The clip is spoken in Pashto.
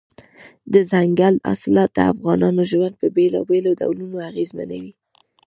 دځنګل حاصلات د افغانانو ژوند په بېلابېلو ډولونو اغېزمنوي.